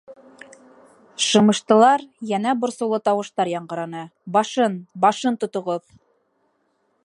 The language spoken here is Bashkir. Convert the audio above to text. Шымыштылар, йәнә борсоулы тауыштар яңғыраны: —Башын, башын тотоғоҙ!